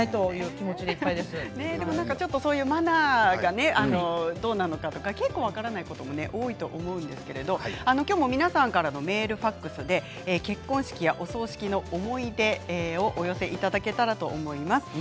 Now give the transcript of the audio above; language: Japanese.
そういうマナーがねどうなのかとか結構分からないことも多いと思うんですけれども、きょうも皆さんからメール、ファックスで結婚式やお葬式の思い出をお寄せいただけたらと思います。